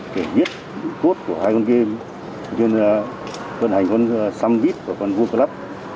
đối tượng vận hành con samvit và con vuclub